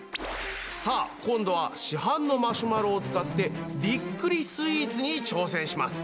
さあ今度は市販のマシュマロを使ってびっくりスイーツに挑戦します。